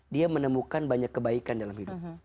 dia menemukan banyak kebaikan dalam hidup